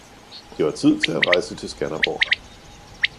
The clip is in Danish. Det var tid til at rejse til Skanderborg